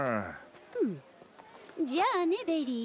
フンじゃあねベリー。